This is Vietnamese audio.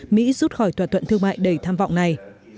mỹ rút khỏi thỏa thuận thương mại đầy tham vọng này